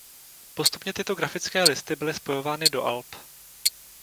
Postupně tyto grafické listy byly spojovány do alb.